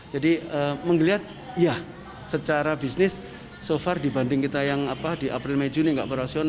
jadi menggeliat ya secara bisnis so far dibanding kita yang apa di april may june